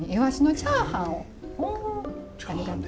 チャーハンで〆。